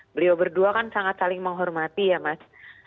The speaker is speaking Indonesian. beliau berdua kan sangat saling menghormati ya mas